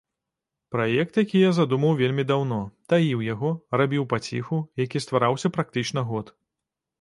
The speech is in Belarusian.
Праект, які я задумаў вельмі даўно, таіў яго, рабіў паціху, які ствараўся практычна год.